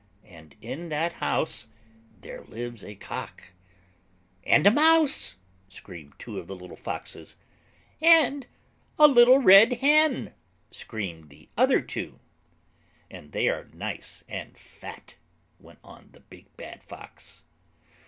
And in that house there lives a Cock." "And a Mouse," screamed two of the little foxes. "And a little Red Hen," screamed the other two. "And they are nice and fat," went on the big bad Fox.